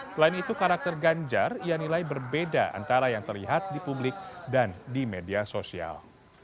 selain itu karakter ganjar ia nilai berbeda antara yang terlihat di publik dan di media sosial